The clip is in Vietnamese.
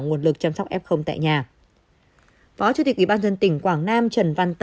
nguồn lực chăm sóc f tại nhà